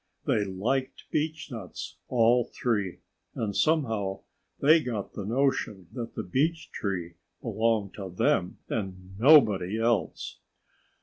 They liked beechnuts all three. And somehow they got the notion that the beech tree belonged to them and to nobody else.